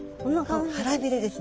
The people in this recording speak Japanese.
腹びれですね。